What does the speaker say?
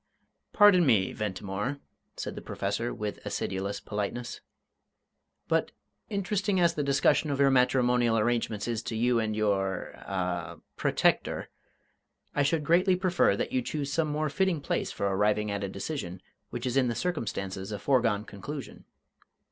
"Pardon me, Ventimore," said the Professor, with acidulous politeness; "but, interesting as the discussion of your matrimonial arrangements is to you and your a protector, I should greatly prefer that you choose some more fitting place for arriving at a decision which is in the circumstances a foregone conclusion.